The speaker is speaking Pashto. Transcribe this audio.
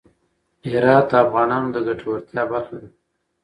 هرات د افغانانو د ګټورتیا برخه ده.